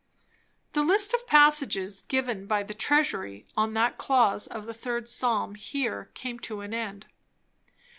The list of passages given by the "Treasury" on that clause of the third psalm here came to an end.